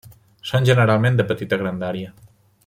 Són generalment de petita grandària.